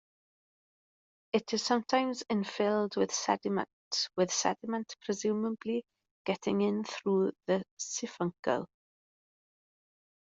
It is sometimes infilled with sediment, with sediment presumably getting in through the siphuncle.